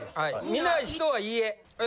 見ない人は「いいえ」。